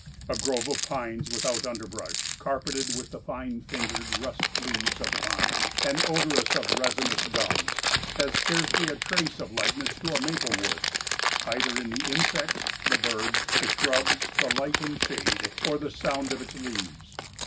A grove of pines without underbrush, carpeted with the fine fingered russet leaves of the pine, and odorous of resinous gums, has scarcely a trace of likeness to a maple woods, either in the insects, the birds, the shrubs, the light and shade, or the sound of its leaves.